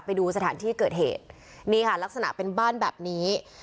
ไปดูสถานที่เกิดเหตุนี่ค่ะลักษณะเป็นบ้านแบบนี้